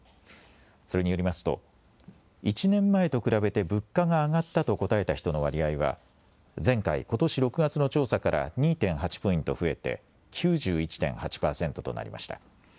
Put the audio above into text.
それによりますと１年前と比べて物価が上がったと答えた人の割合は前回・ことし６月の調査から２．８ポイント増えて９１．８％となりました。